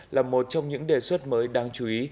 là một trong những đề xuất mới đáng chú ý